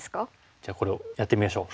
じゃあこれをやってみましょう。